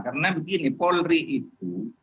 karena begini polri itu